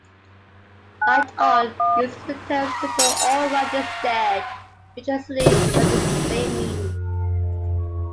LiteOn uses the term "Super AllWrite" instead, which essentially has the same meaning.